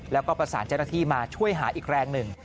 แล้วก็ประสานเจ้าหน้าที่มาช่วยหาอีกแรงหนึ่ง